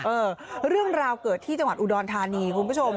เออเรื่องราวเกิดที่จังหวัดอุดรธานีคุณผู้ชม